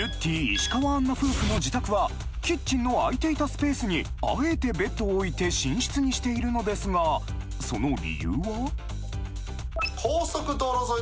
・石川あんな夫婦の自宅はキッチンの空いていたスペースにあえてベッドを置いて寝室にしているのですがその理由は？